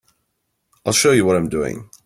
I'll show you what I'm doing.